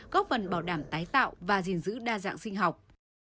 góp phần bảo đảm tái tạo và gìn giữ đa dạng sinh học